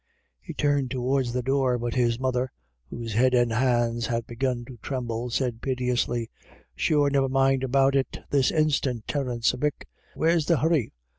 He turned towards the door, but his mother, whose head and hands had begun to tremble, said piteously :" Sure niver mind about it this instiant, Terence avic ; where's the hurry?